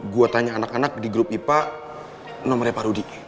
gue tanya anak anak di grup ipa nomornya pak rudi